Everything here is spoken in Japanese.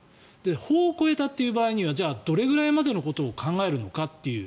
法を超えたという場合にはどれぐらいまでのことを考えるのかという。